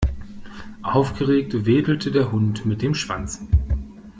Aufgeregt wedelte der Hund mit dem Schwanz.